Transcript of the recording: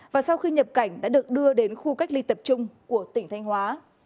và sau khi nhập cảnh đã được đưa đến khu cách ly tập trung của tỉnh thanh hóa